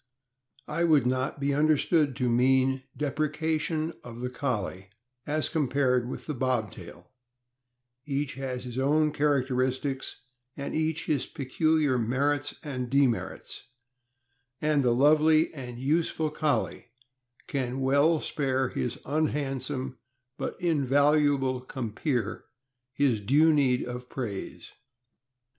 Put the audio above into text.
I would not be understood to mean depreciation of the Collie as compared with the Bobtail; each has his own char acteristics and each his peculiar merits and demerits, and the lovely and useful Collie can well spare his unhandsome but invaluable compeer his due meed of praise.